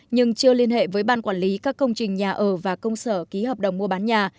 nhưng chưa liên hệ với ban quản lý các công trình nhà ở và công sở ký hợp đồng mua bán nhà